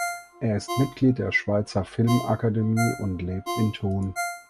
Er ist Mitglied der Schweizer Filmakademie und lebt in Thun.